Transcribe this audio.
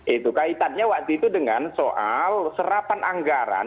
itu kaitannya waktu itu dengan soal serapan anggaran